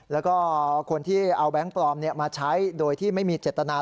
แล้วก็คนที่เอาแบงค์ปลอมมาใช้โดยที่ไม่มีเจตนา